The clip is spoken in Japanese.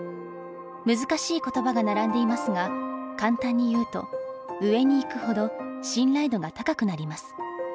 難しい言葉が並んでいますが簡単に言うと上にいくほど信頼度が高くなります。